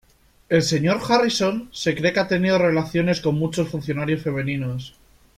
El señor Harrison se cree que ha tenido relaciones con muchos funcionarios femeninos.